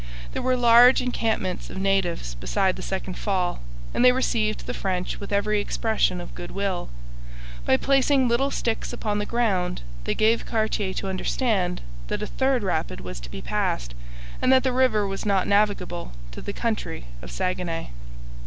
There were large encampments of natives beside the second fall, and they received the French with every expression of good will. By placing little sticks upon the ground they gave Cartier to understand that a third rapid was to be passed, and that the river was not navigable to the country of Saguenay.